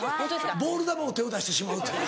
ボール球を手を出してしまうという。